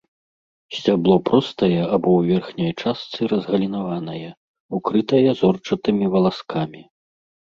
Сцябло простае або ў верхняй частцы разгалінаванае, укрытае зорчатымі валаскамі.